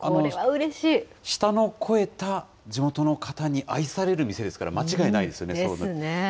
舌の肥えた地元の方に愛される店ですから、間違いないですよね。